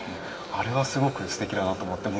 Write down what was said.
あれはすごくすてきだなと思って。